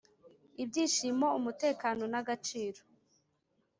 ibyishimo, umutekano, n'agaciro,